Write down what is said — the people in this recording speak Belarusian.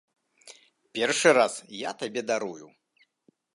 Першы раз я табе дарую.